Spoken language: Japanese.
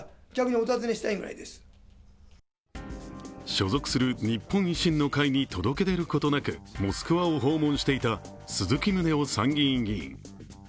所属する日本維新の会に届け出ることなくモスクワを訪問していた鈴木宗男参議院議員。